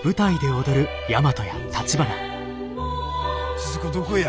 鈴子どこや？